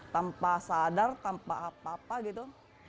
tanpa sadar tanpa apa apa gitu